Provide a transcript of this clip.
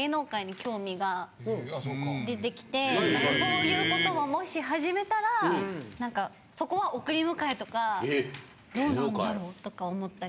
そういうことももし始めたらなんかそこは送り迎えとかどうなんだろうとか思ったり。